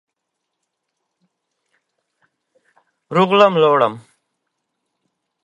افغانستان کې آمو سیند د هنر په اثار کې منعکس کېږي.